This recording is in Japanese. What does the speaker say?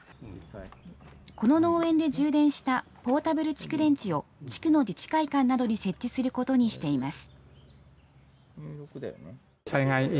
この農園で充電したポータブル蓄電池を地区の自治会館などに設置することにしています。